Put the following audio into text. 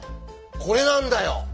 これなんだよ。